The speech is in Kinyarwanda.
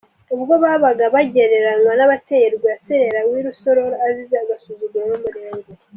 Ubwo baba babagereranya n’abateye Rwaserera w’i Rusororo azize agasuzuguro n’umurengwe.